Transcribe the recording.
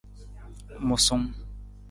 Musung.